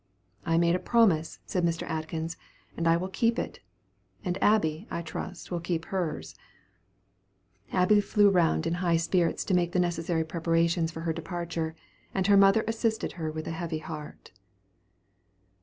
"I made a promise," said Mr. Atkins, "and I will keep it; and Abby, I trust, will keep hers." Abby flew round in high spirits to make the necessary preparations for her departure, and her mother assisted her with a heavy heart.